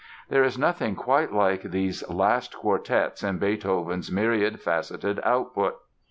There is nothing quite like these "last quartets" in Beethoven's myriad faceted output.